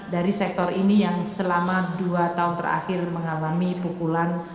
dari sektor ini yang selama dua tahun terakhir mengalami pukulan